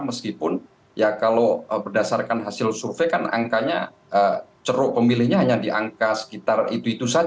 meskipun ya kalau berdasarkan hasil survei kan angkanya ceruk pemilihnya hanya di angka sekitar itu itu saja